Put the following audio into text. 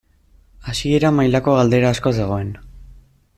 Hasiera mailako galdera asko zegoen.